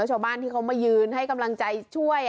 ชาวบ้านที่เขามายืนให้กำลังใจช่วย